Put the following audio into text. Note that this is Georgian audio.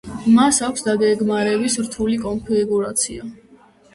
მას აქვს დაგეგმარების რთული კონფიგურაცია.